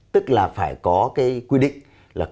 tức là phải có cái quy định là